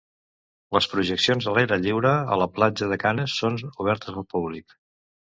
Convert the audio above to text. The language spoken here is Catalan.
Les projeccions a l'aire lliure a la platja de Canes són obertes al públic.